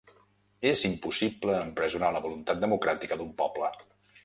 És impossible empresonar la voluntat democràtica d'un poble.